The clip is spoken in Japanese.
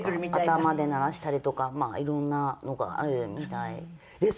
頭で鳴らしたりとかまあいろんなのがあるみたいですけど。